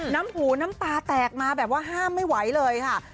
น้ำหูน้ำตาแตกมาแบบว่าห้ามไม่ไหวเลยค่ะ